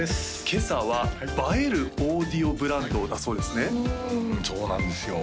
今朝は「映えるオーディオブランド」だそうですね